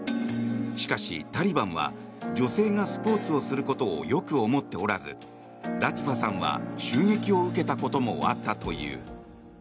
しかし、タリバンは女性がスポーツをすることを良く思っておらずラティファさんは襲撃を受けたこともあったという。